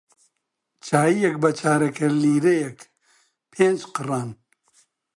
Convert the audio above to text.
چایییەک بە چارەگە لیرەیەک پێنج قڕان